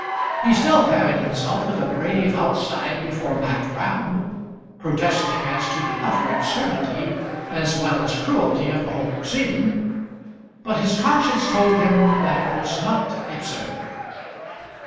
He still carried himself with a brave outside before Mat Round, protesting as to the utter absurdity as well as cruelty of the whole proceeding; but his conscience told him that it was not absurd.